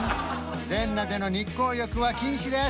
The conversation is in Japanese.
全裸での日光浴は禁止です